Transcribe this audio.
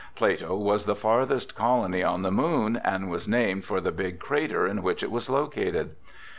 Plato was the farthest colony on the Moon and was named for the big crater in which it was located.